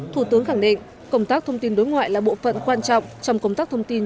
thủ tướng khẳng định công tác thông tin đối ngoại là bộ phận quan trọng trong công tác thông tin